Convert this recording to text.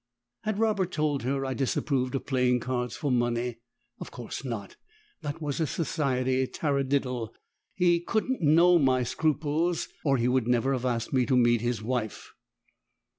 Had Robert told her I disapproved of playing cards for money? Of course not, that was a society taradiddle! He couldn't know my scruples or he would never have asked me to meet his wife.